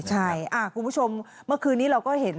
ใช่คุณผู้ชมเมื่อคืนนี้เราก็เห็น